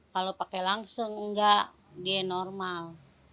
kalau pakai langseng enggak dia normal